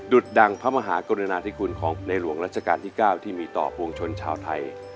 ดดังพระมหากรุณาธิคุณของในหลวงรัชกาลที่๙ที่มีต่อปวงชนชาวไทย